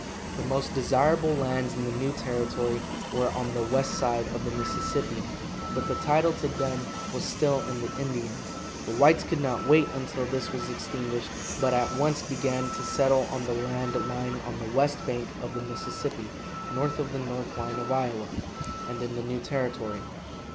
The most desirable lands in the new territory were on the west side of the Mississippi, but the title to them was still in the Indians. The whites could not wait until this was extinguished, but at once began to settle on the land lying on the west bank of the Mississippi, north of the north line of Iowa, and in the new territory.